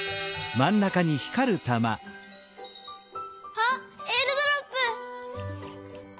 あっえーるドロップ！